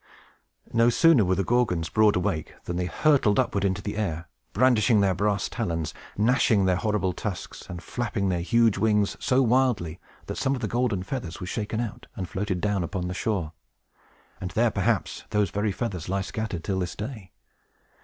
No sooner were the Gorgons broad awake than they hurtled upward into the air, brandishing their brass talons, gnashing their horrible tusks, and flapping their huge wings so wildly that some of the golden feathers were shaken out, and floated down upon the shore. And there, perhaps, those very feathers lie scattered, till this day.